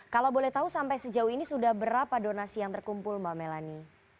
kalau boleh tahu sampai sejauh ini sudah berapa donasi yang terkumpul mbak melani